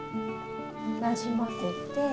なじませて。